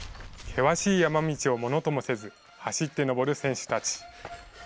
険しい山道をものともせず、走って登る選手たち。